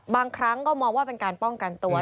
บางครั้งก็มองว่าเป็นการป้องกันตัว